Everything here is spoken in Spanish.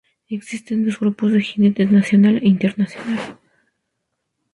Existen dos grupos de jinetes: Nacional e Internacional.